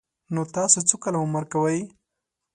_نو تاسو څو کاله عمر کوئ؟